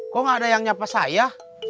kok gak ada yang nyapa saya